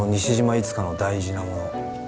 いつかの大事なもの